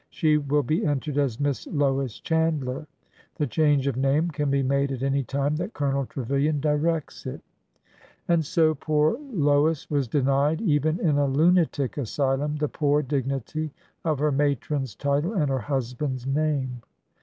She will be entered as Miss Lois Chandler. The change of name can be made at any time that Colonel Trevilian directs it." And so poor Lois was denied, even in a lunatic asylum, the poor dignity of her matron's title and her husband's name.